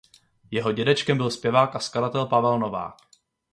Jeho dědečkem byl zpěvák a skladatel Pavel Novák.